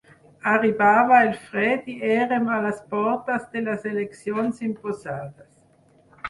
Arribava el fred i érem a les portes de les eleccions imposades.